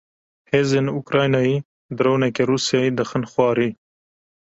Hêzên Ukraynayê droneke Rûsyayê dixin xwarê.